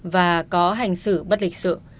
và có hành xử bất lịch sự